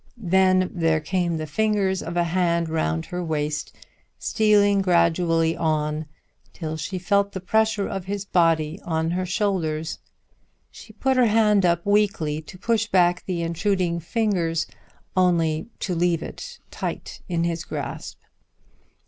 Then there came the fingers of a hand round her waist, stealing gradually on till she felt the pressure of his body on her shoulders. She put her hand up weakly, to push back the intruding fingers, only to leave it tight in his grasp.